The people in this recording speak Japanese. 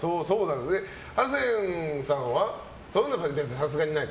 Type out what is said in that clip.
ハセンさんはそういうのはさすがにない？